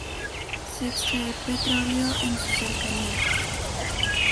Se extrae petróleo en sus cercanías.